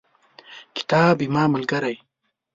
کتاب زما ملګری.